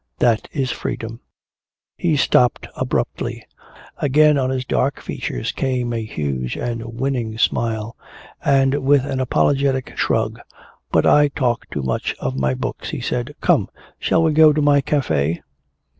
That is freedom!'" He stopped abruptly. Again on his dark features came a huge and winning smile, and with an apologetic shrug, "But I talk too much of my books," he said. "Come. Shall we go to my café?"